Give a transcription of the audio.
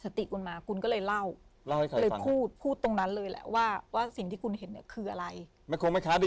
สติกุลมากุลก็เลยเล่า